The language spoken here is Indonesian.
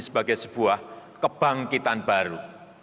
sebagai sebuah kebangkitan baru